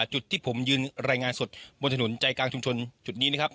จุดที่ผมยืนรายงานสดบนถนนใจกลางชุมชนจุดนี้นะครับ